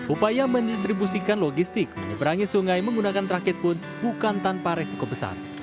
upaya mendistribusikan logistik menyeberangi sungai menggunakan traket pun bukan tanpa resiko besar